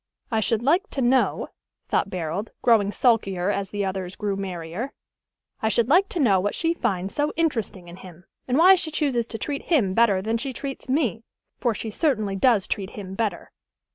"I should like to know," thought Barold, growing sulkier as the others grew merrier, "I should like to know what she finds so interesting in him, and why she chooses to treat him better than she treats me; for she certainly does treat him better."